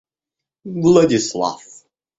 Владислав